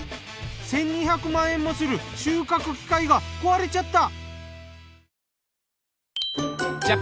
１，２００万円もする収穫機械が壊れちゃった！？